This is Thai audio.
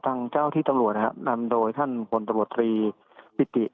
ทางเจ้าที่ตำรวจนะครับนำโดยท่านพลตำรวจตรีปิติ